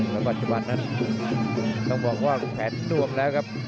แล้วปัจจุบันนั้นต้องบอกว่าแขนดวมแล้วครับ